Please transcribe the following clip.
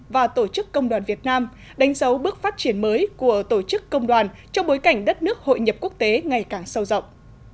và tổ chức công đoàn việt nam đánh dấu bước phát triển mới của tổ chức công đoàn trong bối cảnh đất nước hội nhập quốc tế ngày càng sâu rộng